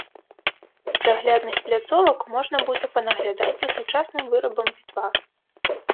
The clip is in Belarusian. З аглядных пляцовак можна будзе панаглядаць за сучасным вырабам пітва.